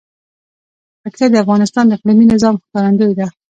پکتیا د افغانستان د اقلیمي نظام ښکارندوی ده.